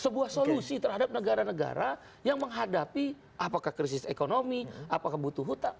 sebuah solusi terhadap negara negara yang menghadapi apakah krisis ekonomi apakah butuh hutang